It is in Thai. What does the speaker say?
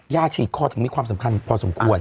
ยาฉีกคอมีความสำคัญพอสมควร